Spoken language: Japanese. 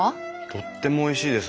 とってもおいしいです。